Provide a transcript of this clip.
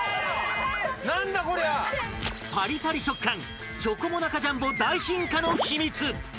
パリパリ食感チョコモナカジャンボ大進化の秘密。